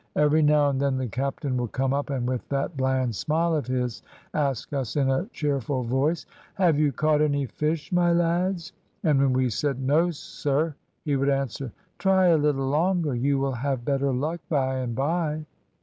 Every now and then the captain would come up, and with that bland smile of his ask us in a cheerful voice "`Have you caught any fish, my lads?' and when we said `No, sir,' he would answer "`Try a little longer; you will have better luck by and by.'